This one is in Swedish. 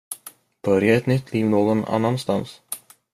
Börja ett nytt liv någon annanstans.